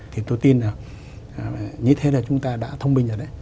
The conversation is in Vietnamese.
thì tôi tin là như thế là chúng ta đã thông minh rồi đấy